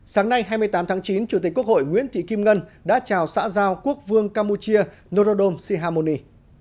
sáng nay hai mươi tám tháng chín chủ tịch quốc hội nguyễn thị kim ngân đã chào xã giao quốc vương campuchia norodom sihamoni